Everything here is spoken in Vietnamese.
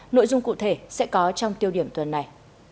nội dung cụ thể sẽ có trong tiêu điểm tuần này